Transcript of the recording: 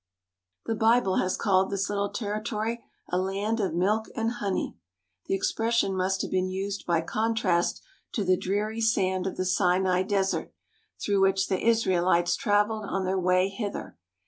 The Bible has called this little territory a land of milk and honey. The expression must have been used by contrast to the dreary sand of the Sinai desert, through which the Israelites travelled on their way hither.